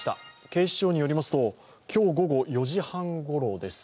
警視庁によりますと今日午後４時半ごろです。